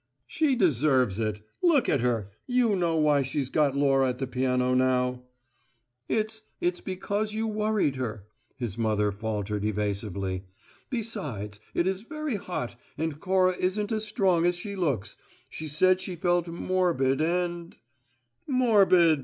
"She deserves it. Look at her! You know why she's got Laura at the piano now." "It's it's because you worried her," his mother faltered evasively. "Besides, it is very hot, and Cora isn't as strong as she looks. She said she felt morbid and " "Morbid?